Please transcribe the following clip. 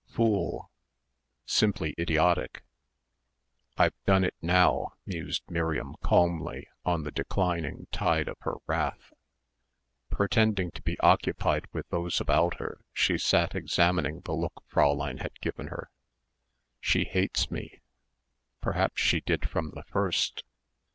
"Fool" ... "simply idiotic." "I've done it now," mused Miriam calmly, on the declining tide of her wrath. Pretending to be occupied with those about her she sat examining the look Fräulein had given her ... she hates me.... Perhaps she did from the first....